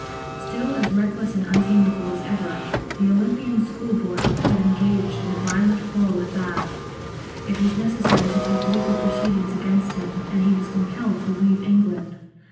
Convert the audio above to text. Still as reckless and untamable as ever, the " Olympian schoolboy " had engaged in a violent quarrel at Bath ; it was necessary to take legal proceedings against him, and he was compelled to leave England.